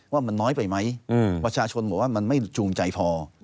ว่ามันน้อยไปไหมประชาชนบอกว่ามันไม่จูงใจพอ